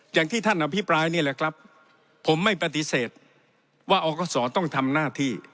อย่างที่ท่านอภิปรายนี่แหละครับผมไม่ปฏิเสธว่าอกศต้องทำหน้าที่